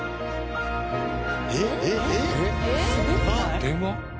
電話？